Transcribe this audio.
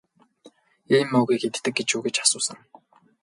Ийм мөөгийг иддэг юм гэж үү гэж асуусан.